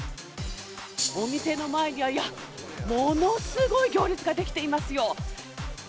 お店の前にはものすごい行列が出来ていますよ。